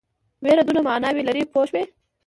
وېره دوه معناوې لري پوه شوې!.